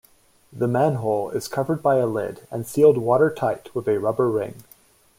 The manhole is covered by a lid and sealed watertight with a rubber ring.